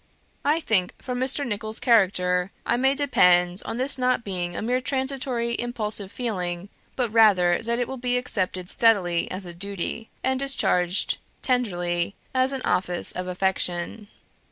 I think from Mr. Nicholls' character I may depend on this not being a mere transitory impulsive feeling, but rather that it will be accepted steadily as a duty, and discharged tenderly as an office of affection.